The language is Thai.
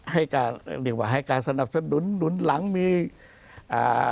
ให้การเรียกว่าให้การสนับสนุนหนุนหลังมีอ่า